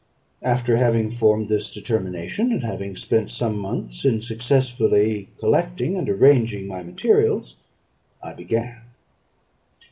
After having formed this determination, and having spent some months in successfully collecting and arranging my materials, I began.